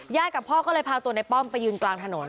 กับพ่อก็เลยพาตัวในป้อมไปยืนกลางถนน